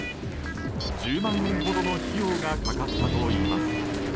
１０万円ほどの費用が掛かったといいます。